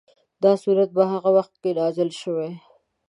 دا سورت په هغه وخت کې نازل شوی.